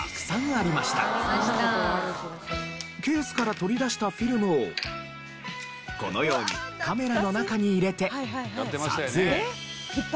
ケースから取り出したフィルムをこのようにカメラの中に入れて撮影。